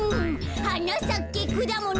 「はなさけくだもの」